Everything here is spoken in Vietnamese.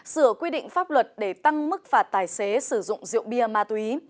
sửa quy định pháp luật để tăng mức phạt tài xế sử dụng rượu bia ma túy